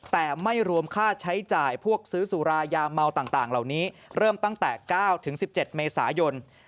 แต่ไม่รวมค่าใช้จ่ายพวกซื้อสุรายาเมาต่างเหล่านี้เริ่มตั้งแต่๙๑๗เมษายน